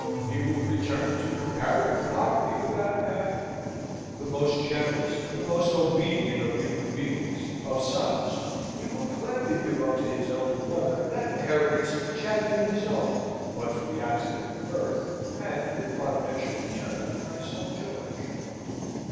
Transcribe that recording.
He will return to (comparative) poverty without a pang. The most generous, the most obedient of human beings, of sons, he will gladly give up to his elder brother that inheritance which had been his own but for the accident of birth, and for the providential return of my son George.